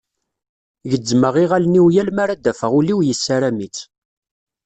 Gezzmeɣ iɣallen-iw yal mi ara d-afeɣ ul-iw yessaram-itt.